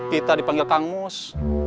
kita dipanggil kang mus